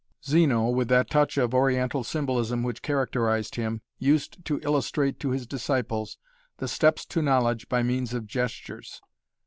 Zeno, with that touch of oriental symbolism which characterized him, used to illustrate to his disciples the steps to knowledge by means of gestures.